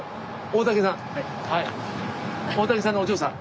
大竹さん。